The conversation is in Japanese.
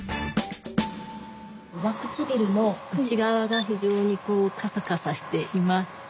上唇の内側が非常にカサカサしています。